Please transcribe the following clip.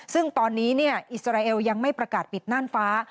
ซึ่งตอนนี้อิสราเอลยังไม่ประกาศปิดน่านฟ้า